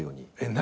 何？